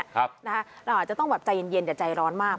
เราอาจจะต้องแบบใจเย็นอย่าใจร้อนมาก